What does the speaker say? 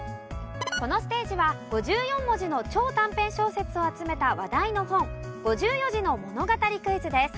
このステージは５４文字の超短編小説を集めた話題の本５４字の物語クイズです。